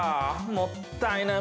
もったいない。